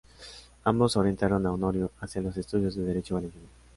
Ambos orientaron a Honorio hacia los estudios de derecho valenciano.